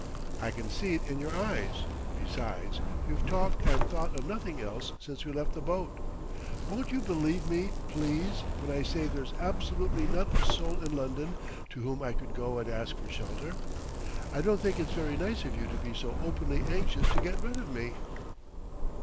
"I can see it in your eyes. Besides, you've talked and thought of nothing else since we left the boat. Won't you believe me, please, when I say there's absolutely not a soul in London to whom I could go and ask for shelter? I don't think it's very nice of you to be so openly anxious to get rid of me."